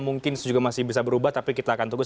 mungkin juga masih bisa berubah tapi kita akan tunggu